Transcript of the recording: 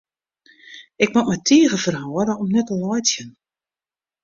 Ik moast my tige ferhâlde om net te laitsjen.